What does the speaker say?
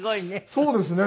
そうですね。